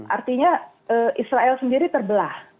artinya israel sendiri terbelah